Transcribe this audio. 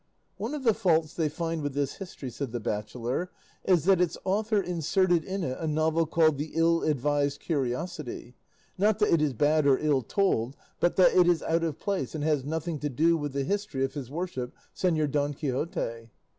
"One of the faults they find with this history," said the bachelor, "is that its author inserted in it a novel called 'The Ill advised Curiosity;' not that it is bad or ill told, but that it is out of place and has nothing to do with the history of his worship Señor Don Quixote."